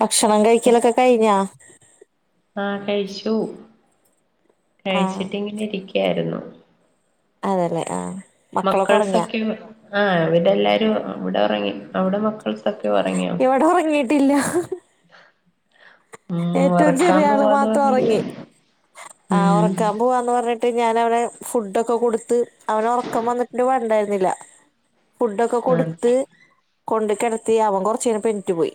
ഭക്ഷണം കഴിക്കലൊക്കെ കഴിഞ്ഞാ? ആഹ് കഴിച്ചു. ആഹ് കഴിച്ചിട്ടിങ്ങനെ ഇരിക്കായിരുന്നു അതല്ലേ ആഹ് മക്കളൊക്കെ ഒറങ്ങിയാ മക്കൾസൊക്കെ ആഹ് ഇവിടെ എല്ലാരും അവിടെ ഉറങ്ങി അവിടെ സൊക്കെ ഉറങ്ങിയാ ഇവിടെ ഒറങ്ങിയിട്ടില്ല ഏറ്റവും ചെറിയ ആള് മാത്രം ഉറങ്ങി. ആ ഉം ഉറക്കാൻ പോവാന്ന് പറഞ് ട്ട് ഞാൻ അവന് ഫുഡഒക്കെ കൊടുത്ത് അവന ഉറക്കം വന്നിട്ട് വണ്ടായിരുന്നില്ല ഫുഡൊക്കെ ആഹ് കൊടുത്ത് കൊണ്ട് കിടത്തി അവൻ കൊറച് പെന്നിറ്റു പോയി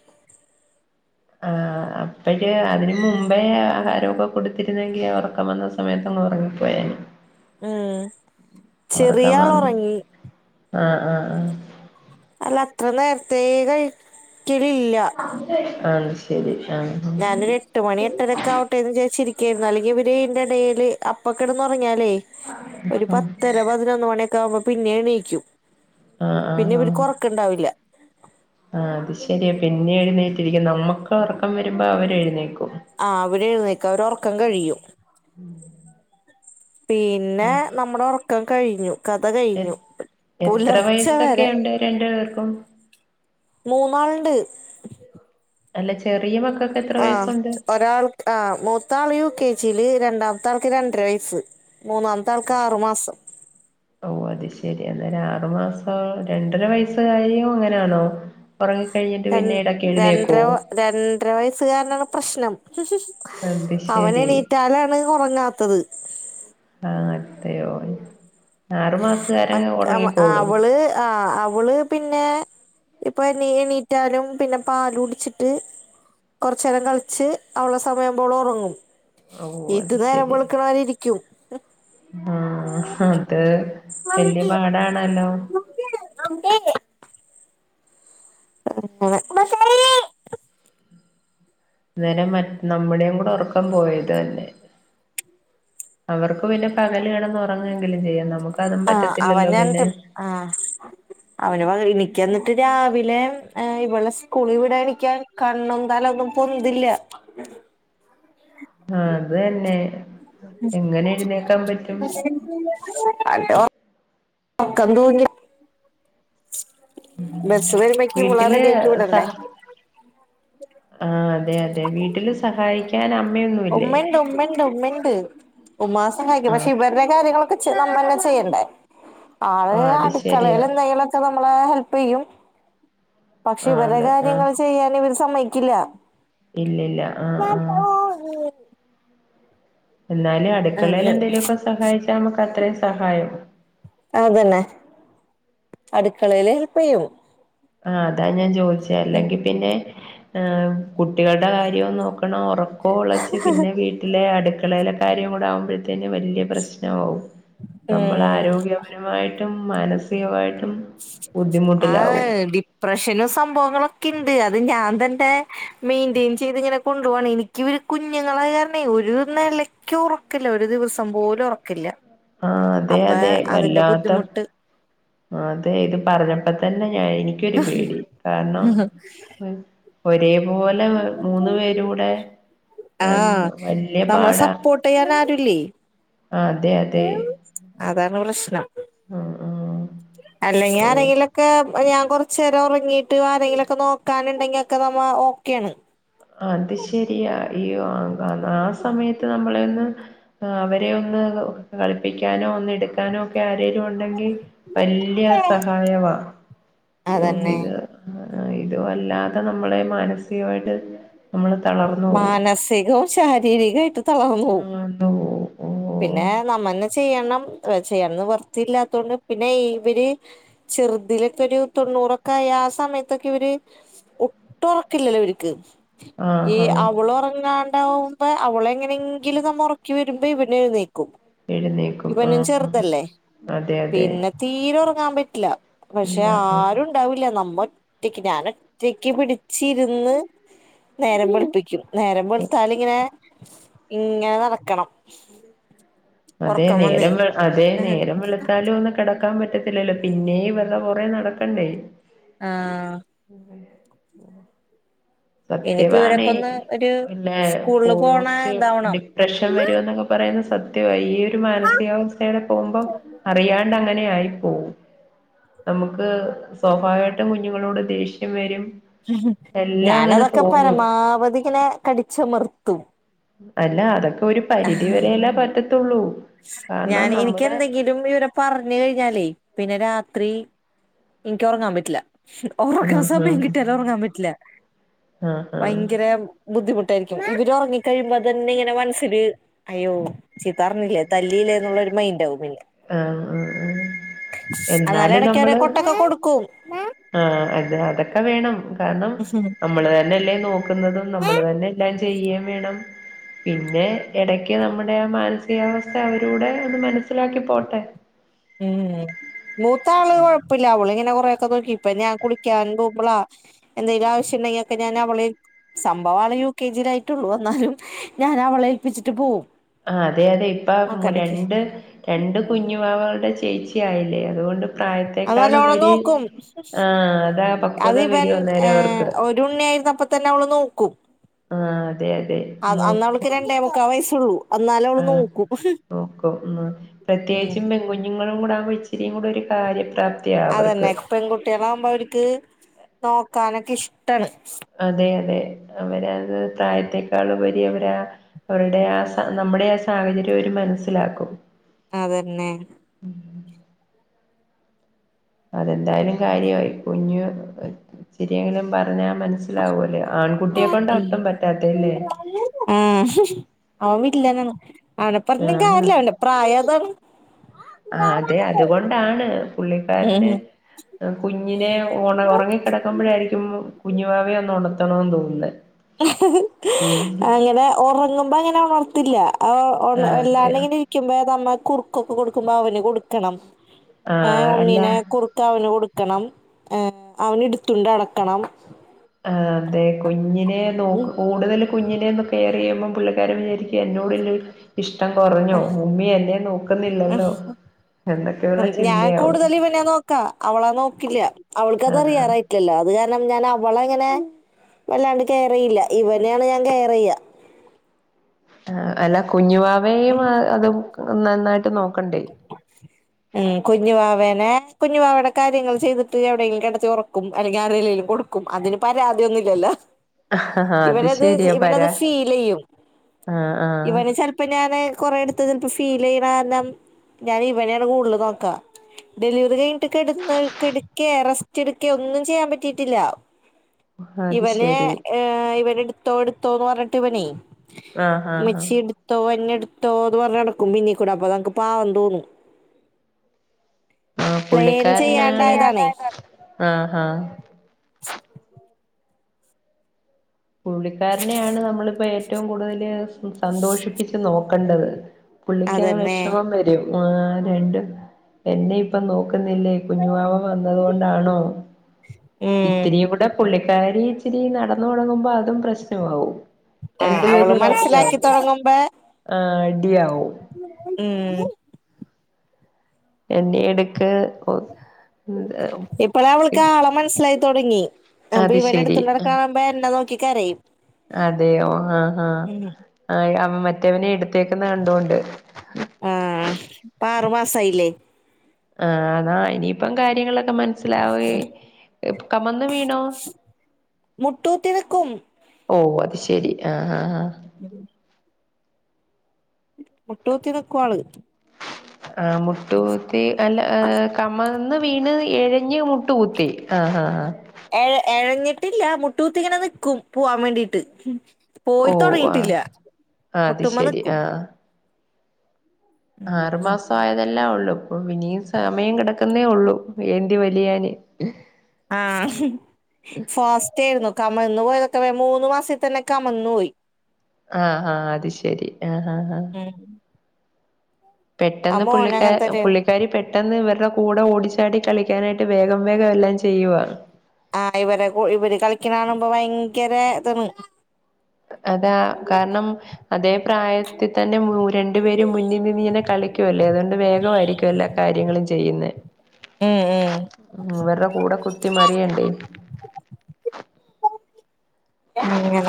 ആഹ് അപ്പോഴ് അതിന് മുമ്പേ ആഹാരമൊക്കെ കൊടുത്തിരുന്നെങ്കിൽ ഉറക്കം വന്ന സമയത്തി അങ്ങ് ഉറങ്ങിപ്പോയേനെ ഉം ചെറിയ ഒറക്കം ആള് വന്ന് ഒറങ്ങി ആഹ് ആഹ് ആഹ് അല്ല അത്ര നേരത്തേ കഴിക്കലില്ല അത് ശരി ആഹ് ഞാനൊരു എട്ട് മണി എട്ടരൊക്കെ ആവട്ടെ എന്ന് ചോദച്ചിരിക്കയായിരുന്നു അല്ലെങ്കിൽ ഇവര് ഇന്റെ ഇടയിൽ അപ്പൊക്കെടന്ന് ഒറങ്ങിയാലേ ഒരു പത്തര പതിനൊന്ന് മണിയൊക്കെ ആവുമ്പോ പിന്നെ എണീക്കും ആഹ് പിന്നെ ആഹ് ഇവര്ക് ഒറക്കണ്ടാവില്ല ആഹ് അത് ശരിയാ പിന്നെ എഴുന്നേറ്റിരിക്കും നമ്മുക്ക് ഉറക്കം വരുമ്പോ അവര് എഴുന്നേക്കും ആഹ് അവര് എഴുന്നേക്കും അവരെ ഉറക്കം കഴിയും ഉം പിന്നെ നമ്മുടെ ഉറക്കം കഴിഞ്ഞു കഥ എ കഴിഞ്ഞു പുലർച്ചെ വരെ എന്റെ വർക്കും മൂന്നാള് ണ്ട് അല്ല ചെറിയമകക്ക് ആഹ് ഒരാൾക്ക് ആഹ് മൂത്താള് യു കെ ജിയില് രണ്ടാമത്തെ ആൾക്ക് രണ്ടര വയസ്സ് മൂന്നാമത്തെ ആൾക്ക് ആറു മാസം ഓ അത് ശെരിയാ അന്നേരം ആറു മാസം രണ്ടര വയസ കാരിയും ഇങ്ങനെയാണോ ഉറങ്ങി കഴിഞ്ഞിട്ട് ര പിന്നെ ഇടൊക്കെ രണ്ടര എഴുന്നേക്കുവോ രണ്ടര വയസ്സുകാരനാണ് പ്രശ്നം അത് അവന് ശരി എണീറ്റാലാണ് ഒറങ്ങാത്തത് ആഹ് അതെയയോ ആറു മാസം മറ്റ അ അവള് ആഹ് അവള് പിന്നെ ഇപ്പൊ നീണീറ്റാലും പിന്നെ പാല് കുട്ച്ചിട്ട് കുറച്ച് നേരം കളിച്ച് അവളെ സമയുമ്പോൾ അവൾ ഉറങ്ങും ഓ ഇത് അത് നേരം ശരി വെളുക്കണാവരെഇരിക്കും ആ അത് വലിയ പാടാണല്ലോ [inaudible] [inaudible] ഇന്നരം മറ്റ് നമ്മുടെേയും കൂടെ ഉറക്കം പോയത് തന്നെ അവർക്ക് പിന്നെ പകല് കെടന്ന് ഒറങ്ങെങ്കിലും ചെയ്യാം നമുക്ക് അതും ആഹ് പറ്റത്തില്ലല്ലോ പിന്നെ അവനട്ട് ആഹ് അവന് എനിക്ക് എന്നിട്ട് രാവിലെ ഇവളെ സ്കൂളീവിടാൻ എണിക്കാൻ കണ്ണുന്താലും ഒന്നും പൊന്തില്ല ആ അത് തന്നെ എങ്ങനെ എഴുന്നേക്കാൻ പറ്റും [unintelligible] അലോ ഒർക്കംതൂങ്ങി ബെസ് വരുമ്പേക്കും പിളാര വീട്ടില് റെഡിയാക്കി വിടണ്ടേ ആ അതെ അതെ വീട്ടില് സഹായിക്ക് കൻ അമ്മയൊന്നും ഉമ്മേണ്ട് ഉമ്മേണ്ട് ഉമ്മ ഉണ്ട് ഉമ്മാംസം കഴിക്കും പക്ഷെ ആഹ് ഇവരുടെ കാര്യങ്ങളൊക്കെ നമ്മ തന്നെ ചെയ്യണ്ടേ ആള് ആഹ് അത് അടുക്കളയിൽ ശരിയാ എന്തെങ്കിലുംഒക്കെ നമ്മളെ ഹെല്പ് ചെയ്യും പക്ഷെ ആഹ് ഇവരെ അതെ ആഹ് കാര്യങ്ങൾ ചെയ്യാൻ ഇവര് സമ്മക്കില്ല ഇല്ലില്ല ആഹ് ആഹ് എന്നാലും അടുക്കളേൽ അങ്ങനെ എന്തേങ്കിലുമൊക്കെ സഹായിച്ചാൽ നമുക്ക് അത്രയും സഹായം അതന്നെ അടുക്കളേൽ ഹെൽപ്പ് ചെയ്യും ആഹ് അതാ ഞാൻ ചോദിച്ചെ അല്ലെങ്കി പിന്നെ കുട്ടികളുടെ കാര്യം നോക്കണം ഉറക്കം ഉളച്ച് പിന്നെ വീ ലെ അടുക്കളയിലെ കാര്യം കൂടെ ആകുമ്പോഴത്തേന് വലിയ പ്രശ്നമാവും നമ്മൾ ഉം ആരോഗ്യപരമായിട്ടും മാനസികമായിട്ടും ബുദ്ധിമുട്ടിലാവും പ്രശ്നോം സംഭവങ്ങളൊക്കെ ണ്ട് അത് ഞാൻ തന്നെ മെയിന്റയിൻ ചെയ്ത് ഇങ്ങനെ കൊണ്ടു പോവാണ് എനിക്ക് കുഞ്ഞുങ്ങളായ കാരണെ ഒരു നെലക്ക് ഉറക്കില്ല ഒരു ദിവസം പോലും ഉറക്കില്ല ആഹ് അതെ അപ്പൊ അതെ അതിന്റെ വല്ലാത്ത ബുദ്ധിമുട്ട് അതെ ഇത് പറഞ്ഞപ്പോ തന്നെ ഞാൻ എനിക്കൊരു പേടി കാരണം ഒരേപോലെ മൂന്ന് പേരും കൂടെ ആ വലിയ നമ്മളെ പാടാ സപ്പോർട്ട് ചെയ്യാൻ ആരുല്ലേ അതെ അതെ അതാണ് പ്രശ്നം ആ ആ അല്ലെങ്കി ഓ ആരെങ്കിലൊക്കെ ഞാൻ കൊറച്ചു നേരം ഉറങ്ങിട്ട് ആരെങ്കിലുംലൊക്കെ നോ ക്കാന് ഉണ്ടെങ്കിൽ ഒക്കെ നമ്മ ഓക്കെയാണ് അത് ശരിയാ അയ്യോ ആ സമയത്ത് നമ്മളെ ഒന്ന് ആ അവരെ ഒന്ന് കളിപ്പിക്കാനോ ഒന്ന് എടുക്കാനോ ഒക്കെ ആരെങ്കിലും ഉണ്ടെങ്കിൽ വല്യ സഹായവാണ് ഓ അതന്നെ ഇത് ഇത് വല്ലാതെ നമ്മളെ മാനസികമായിട്ട് നമ്മള് തളർന്നു പോവും. മാനസികവും ശാരീരികവുമായിട്ട് തളർന്നു പോവും ആന്ന് പോവും. പിന്നെ ഓഹ് നമ്മന്നെ ചെയ്യണം ചെയ്യണം നിവൃത്തിയില്ലാത്തൊണ്ട് പിന്നെ ഇവര് ചെറുതിലൊക്കെ ഒരു തൊണ്ണൂറൊക്കെ ആയ ആ സമയത്തൊക്കെ ഇവര് ഒട്ടും ഒറക്കമില്ലല്ലോ ഇവർക്ക് ഈ ആഹ് ആഹ് അവള് ഉറങ്ങാണ്ടാകുമ്പോ അവള് എങ്ങനെങ്കിലും ഒന്ന് ഒറക്കി വരുമ്പോ ഇവന് എഴുന്നേക്കും എഴുന്നേക്കും. ഇവനും ആഹ് ആഹ് ചെറുതല്ലേ അതെ അതെ. പിന്നെ തീരെ ഉറങ്ങാൻ പറ്റില്ല പക്ഷെ ഇല്ല ആഹ് ആരും ഉണ്ടാവില്ല നമ്മ ഒറ്റക്ക് ഞാൻ ഒറ്റക്ക് പിടിച്ച് ഇരുന്ന് നേരം വെളുപ്പിക്കും നേരം വെളുത്താലിങ്ങനെ ഇങ്ങനെ നടക്കണം അതെ ഉറക്കം വന്നേ നേരം അതെ നേരം വെളുത്താലും ഒന്ന് കിടക്കാൻ പറ്റത്തില്ലല്ലോ പിന്നെയും ഇവരുടെ പുറകേ നടക്കണ്ടേ ആഹ്. [unintelligible] [unintelligible] ഇനിയിപ്പോ സത്യവാണ്. ഇവരൊക്കെ ഒന്ന് ഒരു പിന്നെ സ്കൂളില് പോണ പോസ്റ്റ് ഇതാവണം ഡിപ്രഷൻ വരും എന്നൊക്കെ പറയുന്നത് സത്യവാ. ഈ ഒരു മാനസികാവസ്ഥെടെ പോവുമ്പം അറിയാണ്ട് അങ്ങനെ ആയപ്പോവും. നമുക്ക് സ്വാഭാവികായിട്ടും കുഞ്ഞുങ്ങളോട് ദേഷ്യം വരും. ഉംഹും. എല്ലാം അങ്ങനെ ഞാനതൊക്കെ തോന്നും പരമാവധി ഇങ്ങനെ കടിച്ചമർത്തും. അല്ലാ അതൊക്കെ ഒരു പരിധി വരെയല്ലേ പറ്റത്തൊള്ളൂ. ഞാൻ എനിക്കെന്തെങ്കി നും ഇവനെ പറഞ്ഞു കഴിഞ്ഞാലേ പിന്നെ രാത്രി എനിക്ക് ഉറങ്ങാൻ പറ്റില്ല. ആഹ് ഒറങ്ങാൻ ആഹ് സമയം കിട്ടിയാലും ഒറങ്ങാൻ പറ്റില്ല. ആഹ് ആഹ് ഭയങ്കര ബുദ്ധിമുട്ടായിരിക്കും. ഇവര് ഒറങ്ങി കഴിയുമ്പോ അതന്നെ ഇങ്ങനെ മനസ്സിൽ അയ്യോ ചീത്ത പറഞ്ഞില്ലേ തല്ലീല്ലെ എന്നുള്ളൊരു മൈൻഡാവും പിന്നെ. ആഹ് ആഹ് ആഹ്. അന്നാലും എന്നാലും എടക്കോരേ നമ്മള് കൊട്ടൊക്കെ കൊടുക്കും. ആഹ് അത് അതൊക്കെ വേണം. കാരണം നമ്മള് തന്നെയല്ലേ നോ ക്കുന്നതും നമ്മൾ തന്നെ എല്ലാം ചെയ്യേം വേണം. പിന്നെ എടക്ക് നമ്മുടെ ആ മാനസികാവസ്ഥ അവരൂടെ ഒന്ന് മനസ്സിലാക്കി പോട്ടെ. മ്മ് മൂത്താള് കൊഴപ്പില്ലാ അവളിങ്ങനെ കൊറെ ഒക്കൊന്ന് കീപ്പെയ്യും. ഞാൻ കുളിക്കാൻ പോവുമ്പളാ എന്തെലും ആവശ്യണ്ടെങ്കി ഒക്കെ ഞാൻ അവളേൽ സംഭവം അവള് യു കെ ജി യില് ആയിട്ടൊള്ളു എന്നാലും ഞാൻ അവളെ ഏൽപ്പിച്ചിട്ട് പോവും. ആഹ് അതെ അതെ. ഇപ്പം നോക്കാനൊക്കെ രണ്ട് രണ്ട് കുഞ്ഞുവാവകളുടെ ചേച്ചി ആയില്ലേ. അതുകൊണ്ട് അത് പ്രായത്തെക്കാൾ നല്ലോണം ഉപരി നോക്കും. ആഹ് അതാ പക്വത അത് ഇവൻ വരും അന്നേരം ഏഹ് അവർക്ക് ഒരുണ്ണി ആയിരുന്നപ്പ തന്നെ അവള് നോക്കും. ആഹ് അതെയതെ. അത് അന്ന് മൂത്ത അവൾക്ക് രണ്ടേ മുക്കാ വയസ്സുള്ളൂ എന്നാലും അവള് ആഹ് നോക്കും നോക്കും ന്ന്. ഉം പ്രത്യേകിച്ചും പെൺകുഞ്ഞു ങ്ങളും കൂടെ ആവുമ്പം ഇച്ചിരിയും കൂടെ ഒരു കാര്യ പ്രാപ് അതന്നെ പെൺകുട്ടികളാകുമ്പോ അവർക്ക് നോക്കാനൊക്കെ ഇഷ്ടാണ്. അതെയതെ. അവരത് പ്രായത്തേക്കാളുപരി അവരാ അവരുടെ ആ സ നമ്മുടെ ആ സാഹചര്യം അവരു മനസ്സിലാക്കും. അതന്നെ. അതെന്തായാലും കാര്യമായി കുഞ്ഞു ഇച്ചിരിയെങ്കിലും പറഞ്ഞാ മനസ്സിലാവൂലേ. ആൺകുട്ടിയെ കൊണ്ടാ ഒട്ടും പറ്റാത്തെ ല്ലേ. ആഹ്. അവൻ വില്ലനാണ് അവനെ പറഞ്ട്ടും ആഹ് കാര്യല്ല അവൻ്റെ പ്രായം അതാണ്. ആഹ് അതെ അതുകൊണ്ടാണ് പുള്ളിക്കാരന് ഉം കുഞ്ഞിനെ ഉണ ഒറങ്ങിക്കിടക്കുമ്പോഴായിരിക്കും കുഞ്ഞുവാവയെ ഒന്ന് ഒണർത്തണോന്ന് തോന്നുന്നെ. അങ്ങനെ ഒറങ്ങുമ്പോ അങ്ങനെ ഒണർത്തില്ല അവ അതെയോ അല്ലാണ്ടിങ്ങിനി ക്ക്യുമ്പോ നമ്മ കുറുക്കൊക്കെ കൊടുക്കുമ്പോ അവന് കൊടുക്കണം. ഏഹ് ആഹ് അല്ല ഉണ്ണീനെ കുറു ക്കവന് കൊടുക്കണം. ആഹ് അവന് ഇടുത്തുണ്ട് നടക്കണം. ആഹ് അതെ കുഞ്ഞിനെ നോക്ക് ഉം കൂ ടുതൽ കുഞ്ഞിനെ ഒന്ന് കെയർ ചെയ്യുമ്പം പുള്ളിക്കാരൻ വിചാരിക്ക്യാ എന്നോടില്ലേ ഇഷ്ടം കൊറഞ്ഞോ ഉമ്മി എന്നെ നോക്കുന്നില്ലല്ലോ. എന്നൊക്കെയുള്ള ഉം. ഞാൻ ചിന്തയാവും കൂടുതൽ ഇവനേ നോക്കാ അവളെ നോക്കില്ല്യ അവൾക്കത് ആഹ് അറിയാറായി ക്കെല്ലോ അത് കാരണം ഞാൻ അവളെങ്ങനെ വല്ലാണ്ട് കെയറെയ്യില്ല ഇവനെയാണ് ഞാൻ കെയറെയ്യാ. ആഹ് അല്ല കുഞ്ഞുവാവേയും അതും നന്നായിട്ട് നോക്കണ്ടേ ഉം കുഞ്ഞുവാവേനെ കുഞ്ഞു വാവേടെ കാര്യങ്ങൾ ചെയ്തിട്ട് എവിടെയെങ്കിലും കെടത്തി ഒറ ക്കും അല്ലെങ്കി ആരലേലെലും കൊടുക്കും അതിന് പരാതിയൊന്നുല്ലല്ലോ ആഹ് അത് ഇവനത് ശരിയാ ഇവനത് പരാ ഫീലെയ്യും ആഹ് ആഹ് ഇവന് ച ഇപ്പം ഞാന് കൊറേടുത്ത് ഇപ്പൊ ഫീലെയ്യുന്ന കാരണം ഞാനിവനേണ് കൂടുതല് നോക്കാ ഡെലിവറി കഴിഞ്ഞിട്ട് കെടന്ന് കെടക്കേ റെസ്റ്റെടുക്കേ ഒന്നും ചെയ്യാൻ പറ്റിയിട്ടില്ല അത് ഇവനേ ശരി ഏ ഇവനെടുത്തോ എടുത്തോന്ന് പറഞ്ഞിട്ട് ഇവനേ ആഹ് ആഹ് ആഹ് മെച്ചി എടുത്തോ എന്നെടുത്തോ എന്ന് പറഞ്ഞടക്കും പിന്നീ കൂടെ അപ്പൊക്ക് പാവന്തോന്നും ആ പുള്ളിക്കാരനാണ് [inaudible] ആഹാഹ ആഹ് പുള്ളിക്കാരനെയാണ് നമ്മളിപ്പോ ഏറ്റവും കൂടുതല് സന്തോഷിപ്പിച്ച് നോക്കണ്ടത് പുള്ളിക്കാ അതന്നെ വെഷമം വെരും ആ രണ്ട് എന്നെ ഇപ്പ നോക്കുന്നില്ലേ കുഞ്ഞുവാവ വന്നത് കൊണ്ടാണോ ഉം ഇത്തിരി കൂടെ പുള്ളിക്കാരി ഇച്ചിരി നടന്ന് തൊടങ്ങുമ്പോ അതും പ്രശ്നമാവും ആഹ് രണ്ടു അവള് പേരൂടെ മനസ്സിലാക്കി അടിയാവും തൊടങ്ങുമ്പേ ആ അടിയാവും ഉം എന്നെ എടുക്ക് ഒ [unintelligible] ഇപ്പഴാവള്ക്ക് ആളെ മനസ്സിലായി തൊടങ്ങി അപ്പൊ അത് ഇവനെ ശരി എടുത്തോണ്ട് അഹ് നടക്കണാണുമ്പോ എന്നെ നോക്കി കരയും അതെയോ ആഹ് ആഹ് ഉം ആഹ് അവൻ മറ്റവനെ എടുത്തേക്കുന്ന കണ്ടുകൊണ്ട് ആഹ് ഇപ്പാറു മാസയില്ലേ ആഹ് അതാ ഇനീപ്പം കാര്യങ്ങള് ക്ക മനസ്സിലാവേ കമന്ന് വീണോ മുട്ടൂത്തി നിക്കും ഓ അത് ശെരി ആഹ് ആഹാഹ് ഉം മുട്ടൂത്തിനിക്കു ആള് ആഹ് മുട്ടുകുത്തി അല്ല ആഹ് കമന്ന് വീണ് എഴഞ്ഞ് മുട്ട് കുത്തി ആഹ് ആഹ് എഴ എഴഞ്ഞിട്ടില്ല മുട്ടുകുത്തിങ്ങനെ നിക്കും പോവാൻ വേണ്ടീട്ട് ഓ ആഹ് പോയിത്തൊടങ്ങീട്ടില്ല ആഹ് അത് മുട്ടുമ്മ ശെരി നിക്കും ആറു മാസവായതെല്ലാ ഒള്ളു പൊ ഇനിയും സമയം കെടക്കുന്നേ ഒള്ളൂ ഏന്തി വലിയാന് ആഹ് ഹ് ഫാസ്റ്റേയിരുന്നു കമന്നു പോയതൊക്കെ വേം മൂന്നു മാസിത്തന്നെ കമന്നു പോയി ആഹ് ആഹ് അത് ശരി ആഹ് ആഹ് ഉം ആ പെട്ടെന്ന് മോന് പുള്ളിക്കാ അങ്ങൻതന്നേണ് പുള്ളി ക്കാരി പെട്ടെന്ന് ഇവരുടെ കൂടെ ഓടിച്ചാടി കളിക്കാനായിട്ട് വേഗം വേഗം എല്ലാം ചെയ്യുവ ആഹ് ഇവരെ കൂ ഇവര് കളിക്കണാണുമ്പോ ഭയങ്കര ഇതാന്ന് അതാ കാരണം അതേ പ്രായത്തി തന്നെ മൂ രണ്ടു പേരും മുന്നി നിന്ന് ഇങ്ങനെ കളിക്കുവല്ലേ അതുകൊണ്ട് വേഗമായിരിക്കുവല്ല കാര്യങ്ങളും ചെയ്യുന്നെ ഉം ഉം ഇവർടെ കൂടെ കുത്തി മറിയണ്ടേ അങ്ങനെ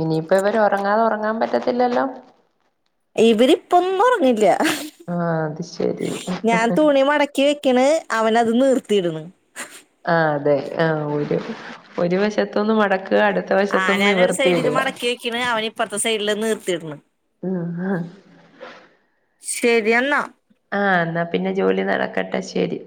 ഇനിയിപ്പോ ഇവര് ഒറങ്ങാതെ ഒറങ്ങാൻ പറ്റത്തില്ലല്ലോ ഇവരിപ്പൊന്നും ഒറങ്ങില്ല ആഹ് അത് ശരി ഞാൻ തുണി മടക്ക ക്കി വെക്കണ് അവനത് നീർത്തിയിടണ് ആഹ് അതെ ആഹ് ഒരു ഒരു വശത്തൊന്ന് മടക്കുക അടു ആഹ് ഞാനൊരു സൈഡില് മടക്കി വെക്കണ് അവൻ ഇപ്പറത്തെ സൈഡില് നീർത്തിടണ് ഉം ശരി എന്ന ആഹ് എന്നാ പിന്നെ ജോലി നടക്കട്ടെ ശരി